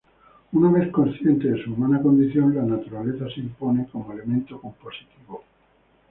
Una vez consciente de su humana condición, la naturaleza, se impone como elemento compositivo.